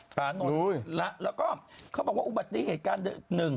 ถนนแล้วก็เขาบอกว่าอุบัติเหตุการหนึ่ง